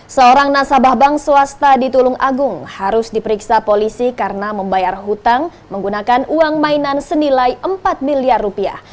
seorang nasabah bank swasta di tulung agung harus diperiksa polisi karena membayar hutang menggunakan uang mainan senilai empat miliar rupiah